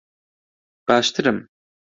باشترم.